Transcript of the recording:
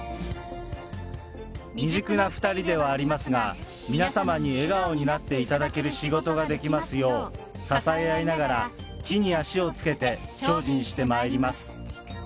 未熟な２人ではありますが、皆様に笑顔になっていただける仕事ができますよう、支え合いながら、地に足をつけて精進してまいります。